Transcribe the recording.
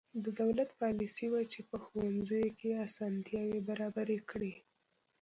د دولت پالیسي وه چې په ښوونځیو کې اسانتیاوې برابرې کړې.